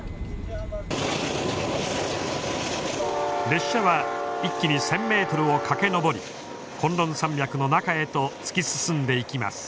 列車は気に１，０００ｍを駆け上り崑崙山脈の中へと突き進んでいきます。